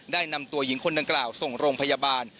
ได้นำตัวหญิงคนดังกล่าวส่งโรงพยาบาล